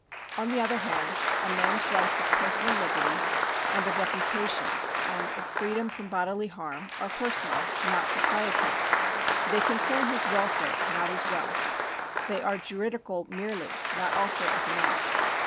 On the other hand, a man's rights of personal liberty, and of reputation, and of freedom from bodily harm are personal, not proprietary. They concern his welfare, not his wealth ; they are juridical merely, not also economic.